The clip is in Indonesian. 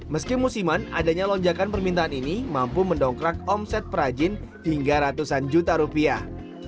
meski musiman adanya lonjakan permintaan ini mampu mendongkrak omset perajin hingga ratusan juta rupiah